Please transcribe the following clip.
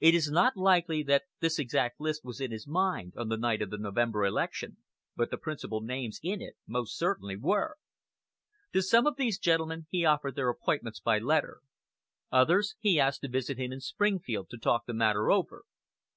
It is not likely that this exact list was in his mind on the night of the November election; but the principal names in it most certainly were. To some of these gentlemen he offered their appointments by letter. Others he asked to visit him in Springfield to talk the matter over.